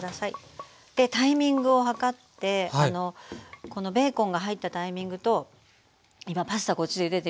でタイミングを計ってこのベーコンが入ったタイミングと今パスタこっちでゆでてるんです。